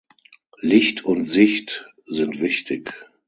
Licht und Sicht sind wichtig.